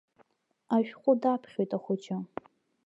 Ашәҟәы даԥхьоит ахәыҷы.